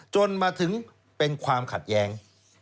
จนมาถึงเป็นความขัดแย้ง